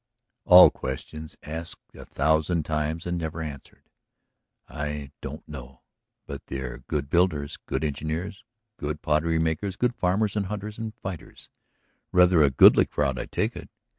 "All questions asked a thousand times and never answered. I don't know. But they were good builders, good engineers, good pottery makers, good farmers and hunters and fighters; rather a goodly crowd, I take it.